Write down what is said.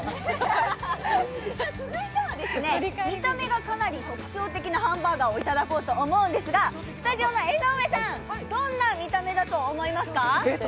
続いては、見た目がかなり特徴的なハンバーガーをいただこうと思うんですがスタジオの江上さん、どんな見た目だと思いますか？